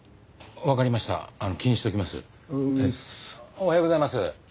おはようございます。